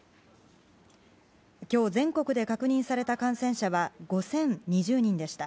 今日全国で確認された感染者は５０２０人でした。